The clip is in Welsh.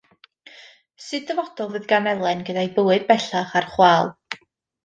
Sut ddyfodol fydd gan Elen gyda'i bywyd bellach ar chwâl?